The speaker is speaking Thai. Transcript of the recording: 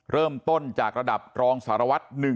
เริ่มต้นจากระดับรองสารวัตร๑๑